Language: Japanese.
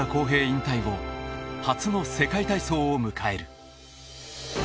引退後初の世界体操を迎える。